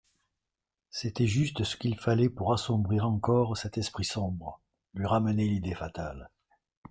C'était juste ce qu'il fallait pour assombrir encore cet esprit sombre, lui ramener l'idée fatale.